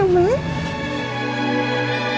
selamat makan oma